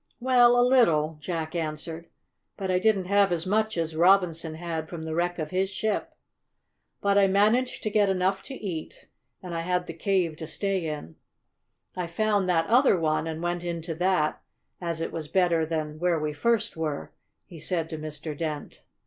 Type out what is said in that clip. "Well a little," Jack answered. "But I didn't have as much as Robinson had from the wreck of his ship. But I managed to get enough to eat, and I had the cave to stay in. I found that other one, and went into that, as it was better than where we first were," he said to Mr. Dent.